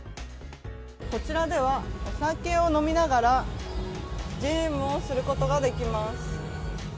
こちらではお酒を飲みながらゲームをすることができます。